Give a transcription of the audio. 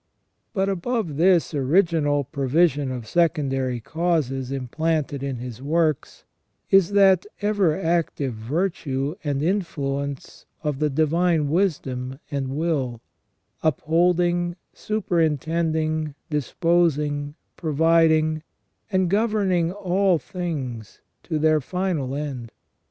But above this original provision of secondary causes implanted in His works is that ever active virtue and influence of the divine wisdom and will, upholding, superintending, disposing, providing, and governing all things to their final end.